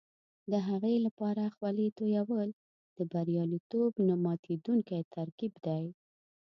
د هغې لپاره خولې تویول د بریالیتوب نه ماتېدونکی ترکیب دی.